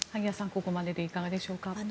ここまででいかがでしょうか。